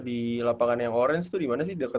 di lapangan yang orange itu dimana sih